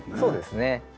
そうですね。